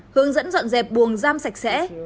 hướng dẫn dọn dẹp buồng giam sạch sẽ